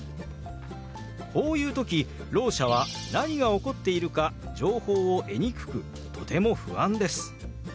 こういう時ろう者は何が起こっているか情報を得にくくとても不安です。